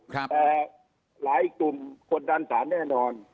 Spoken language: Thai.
แต่หลายกลุ่มกดดันสารแน่นอน